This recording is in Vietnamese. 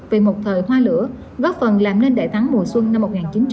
về một thời hoa lửa góp phần làm nên đại thắng mùa xuân năm một nghìn chín trăm bảy mươi năm